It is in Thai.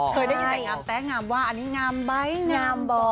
เคยได้ยินแต่งามแต๊งามว่าอันนี้งามใบงามบ่อ